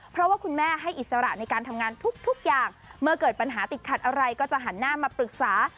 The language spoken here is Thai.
เพราะว่าคุณแม่ให้อิสระในการทำงานทุกอย่างเมื่อเกิดปัญหาติดขัดอะไรก็จะหันหน้ามาปรึกษา